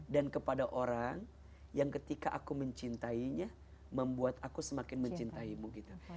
dan kepada orang yang ketika aku mencintainya membuat aku semakin mencintaimu gitu